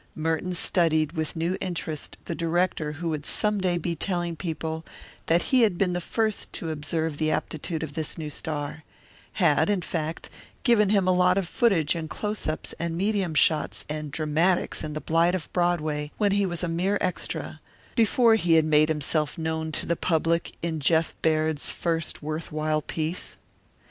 Merton studied with new interest the director who would some day be telling people that he had been the first to observe the aptitude of this new star had, in fact, given him a lot of footage and close ups and medium shots and "dramatics" in The Blight of Broadway when he was a mere extra before he had made himself known to the public in Jeff Baird's first worth while piece.